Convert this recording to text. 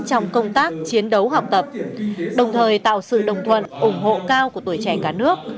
trong công tác chiến đấu học tập đồng thời tạo sự đồng thuận ủng hộ cao của tuổi trẻ cả nước